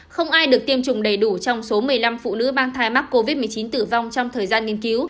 không ai được tiêm chủng đầy đủ trong số một mươi năm phụ nữ mang thai mắc covid một mươi chín tử vong trong thời gian nghiên cứu